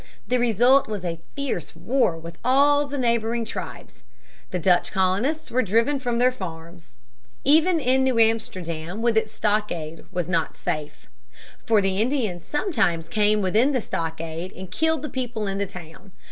The result was a fierce war with all the neighboring tribes. The Dutch colonists were driven from their farms. Even New Amsterdam with its stockade was not safe. For the Indians sometimes came within the stockade and killed the people in the town.